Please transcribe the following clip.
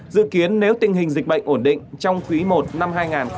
dự kiến nếu tình hình dịch bệnh ổn định trong quý i năm hai nghìn hai mươi